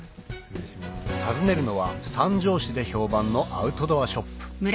訪ねるのは三条市で評判のアウトドアショップ